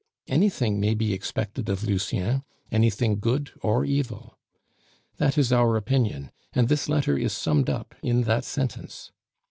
Anything may be expected of Lucien, anything good or evil. That is our opinion, and this letter is summed up in that sentence.